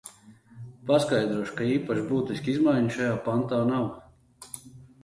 Paskaidrošu, ka īpaši būtisku izmaiņu šajā pantā nav.